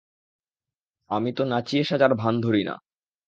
আমি তো নাচিয়ে সাজার ভাণ ধরি না।